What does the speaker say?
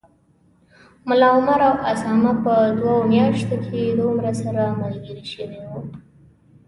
ملا عمر او اسامه په دوو میاشتو کي دومره سره ملګري شوي و